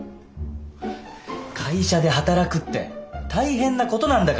会社で働くって大変なことなんだから。